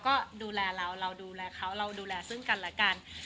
ก็ดูแลเราเราดูแลเขาเราดูแลซึ่งกันและกัน